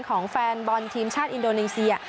ของแฟนบอลทีมชาติอินโดนีเซีย